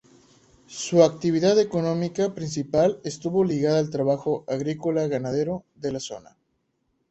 Su actividad económica principal estuvo ligada al trabajo agrícola-ganadero de la zona.